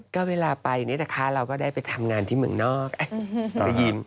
ก็เวลาไปเนี่ยนะคะเราก็ได้ไปทำงานที่เมืองนอก